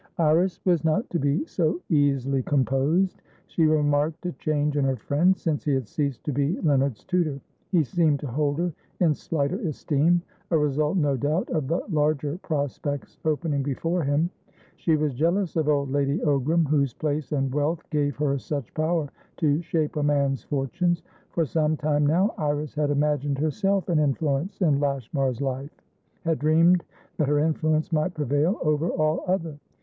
Iris was not to be so easily composed. She remarked a change in her friend since he had ceased to be Leonard's tutor; he seemed to hold her in slighter esteem, a result, no doubt, of the larger prospects opening before him. She was jealous of old Lady Ogram, whose place and wealth gave her such power to shape a man's fortunes. For some time now, Iris had imagined herself an influence in Lashmar's life, had dreamed that her influence might prevail over all other.